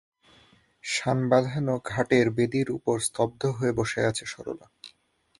শান-বাঁধানো ঘাটের বেদির উপর স্তব্ধ হয়ে বসে আছে সরলা।